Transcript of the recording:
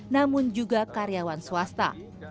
namun juga karyawan swasta